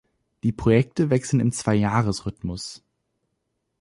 Die Projekte wechseln im Zweijahres-Rhythmus.